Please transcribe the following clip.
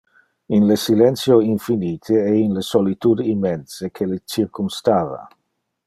In le silentio infinite e in le solitude immense que le circumstava.